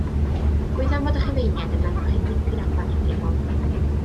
Gwyddom fod y Rhufeiniaid yn meddwl cryn dipyn o'r planhigyn hwn.